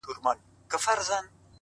تاته سلام په دواړو لاسو كوم!